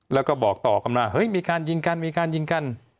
แล้วก็บอกต่อกันมาเฮ้ยมีการยิงกันมีการยิงกัน